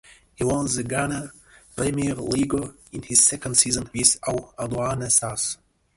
He won the Ghana Premier League in his second season with Aduana Stars.